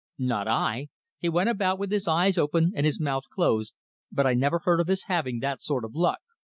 "Not I! He went about with his eyes open and his mouth closed, but I never heard of his having that sort of luck."